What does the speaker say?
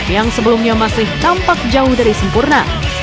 yang sebelumnya masih tampak jauh dari sempurna